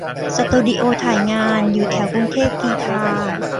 สตูดิโอถ่ายงานอยู่แถวกรุงเทพกรีฑา